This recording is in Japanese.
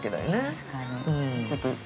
確かに。